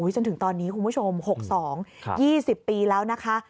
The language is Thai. จนถึงตอนนี้คุณผู้ชม๖๒๒๐ปีแล้วนะคะ